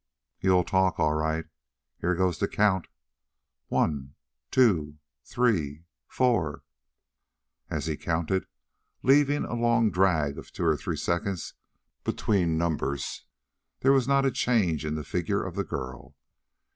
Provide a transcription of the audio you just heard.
"You'll talk, all right. Here goes the count: One two three four " As he counted, leaving a long drag of two or three seconds between numbers, there was not a change in the figure of the girl.